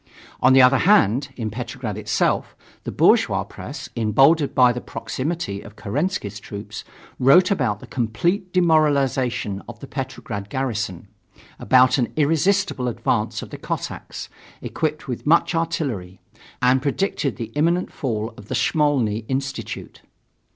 On the other hand, in Petrograd itself, the bourgeois press, emboldened by the proximity of Kerensky's troops, wrote about the complete demoralization of the Petrograd garrison; about an irresistible advance of the Cossacks, equipped with much artillery; and predicted the imminent fall of the Smolny Institute.